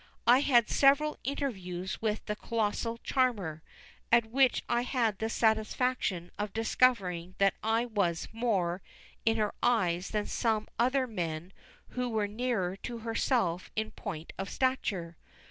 I had several interviews with the colossal charmer, at which I had the satisfaction of discovering that I was more in her eyes than some other men who were nearer to herself in point of stature.